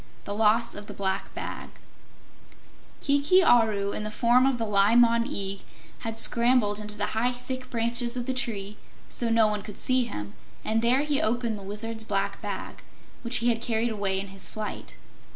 The Loss of the Black Bag Kiki Aru, in the form of the Li Mon Eag, had scrambled into the high, thick branches of the tree, so no one could see him, and there he opened the Wizard's black bag, which he had carried away in his flight.